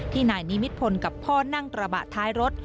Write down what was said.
นายนิมิตพลกับพ่อนั่งกระบะท้ายรถ